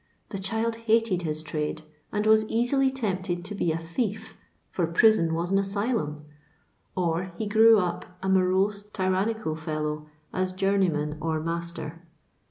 The child hated his trade, and was easily tempted to be a thief, for prison was an asylimi ; or he grew up a morose tyrannical fellow as journeyman or master.